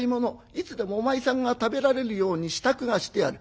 いつでもお前さんが食べられるように支度がしてある。